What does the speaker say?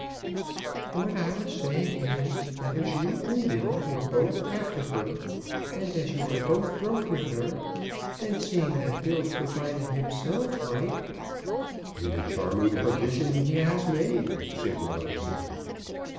"What I was saying is, that as you and Bill were both after her, and as you are both broke with her, and seeing that Bill's provided himself like " "And a charming provision he has made," said Robinson.